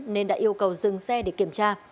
nên đã yêu cầu dừng xe để kiểm tra